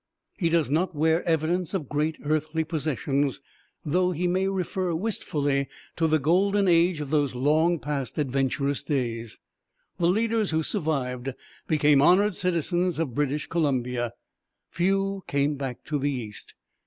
He does not wear evidence of great earthly possessions, though he may refer wistfully to the golden age of those long past adventurous days. The leaders who survived became honoured citizens of British Columbia. Few came back to the East.